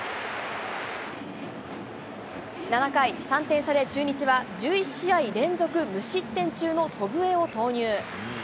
３点差で中日は１１試合連続無失点中の祖父江を投入。